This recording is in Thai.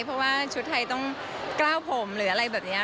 เพราะว่าชุดไทยต้องกล้าวผมหรืออะไรแบบนี้